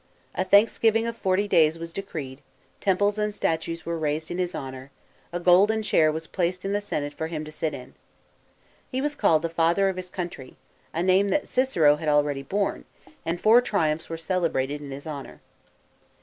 A thanksgiving of forty days was decreed, temples and statues were raised in his honour, a goklen chair was placed in the Senate for him to sit in. He v 7 as called the "Father of his country," a name that Cicero had already borne, and four triumphs were celebrated in his honour.